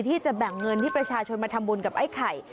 ที่จะแบ่งเงินที่ประชาชนมาทำบุญกับไอ้ไข่